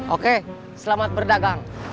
oke selamat berdagang